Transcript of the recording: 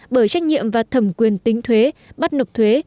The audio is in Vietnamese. bởi trách nhiệm và thẩm quyền tính thuế bắt nộp thuế